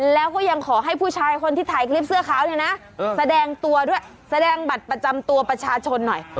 แล้วก็ยังขอให้ผู้ชายคนที่ถ่ายคลิปเสื้อขาวเนี่ยนะแสดงตัวด้วยแสดงบัตรประจำตัวประชาชนหน่อย